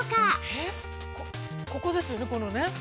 ◆えっ、ここですよね、このね。